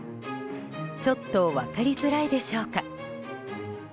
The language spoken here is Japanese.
ちょっと分かりづらいでしょうか。